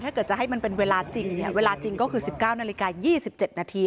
ถ้าเกิดจะให้มันเป็นเวลาจริงเนี่ยเวลาจริงก็คือ๑๙นาฬิกา๒๗นาที